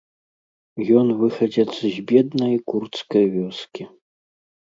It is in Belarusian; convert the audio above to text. Ён выхадзец з беднай курдскай вёскі.